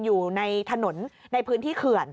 อยู่ในถนนในพื้นที่เขื่อน